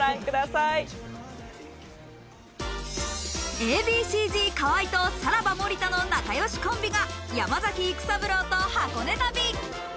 Ａ．Ｂ．Ｃ−Ｚ・河合と、さらば森田の仲よしコンビが、山崎育三郎と箱根旅。